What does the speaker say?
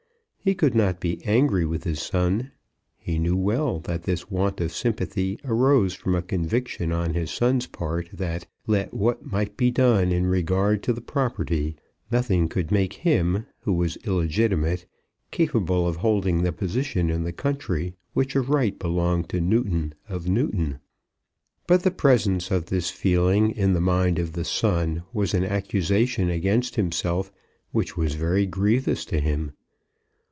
He could not be angry with his son. He knew well that this want of sympathy arose from a conviction on this son's part that, let what might be done in regard to the property, nothing could make him, who was illegitimate, capable of holding the position in the country which of right belonged to Newton of Newton. But the presence of this feeling in the mind of the son was an accusation against himself which was very grievous to him.